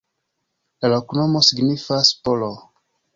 La loknomo signifas: polo.